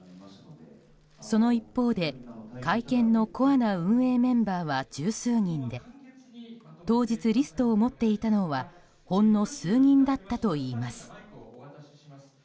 その一方で会見のコアな運営メンバーは十数人で当日リストを持っていたのはほんの数人だったといいます。